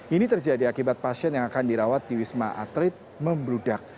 ini terjadi akibat pasien yang akan dirawat di wisma atlet membludak